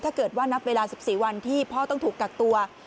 ถ้าเกิดว่านับเวลา๑๔วันที่พ่อต้องถูกกักตัว